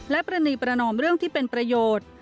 และประนีประนอมเรื่องที่เป็นประโยชน์